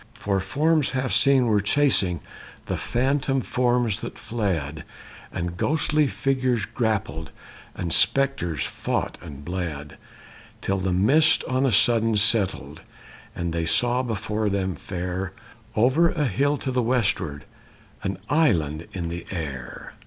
For forms half seen were chasing The phantom forms that fled; And ghostly figures grappled And spectres fought and bled; Till the mist on a sudden settled And they saw before them fair, Over a hill to the westward, An island in the air.